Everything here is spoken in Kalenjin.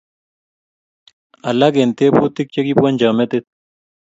Alak eng teputiik chekibwoncho metit.